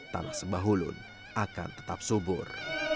tanah sembahulun akan tetap subur